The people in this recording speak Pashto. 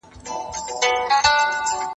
نیازمندۍ د څېړنې پروسې بنسټیز عنصر دی.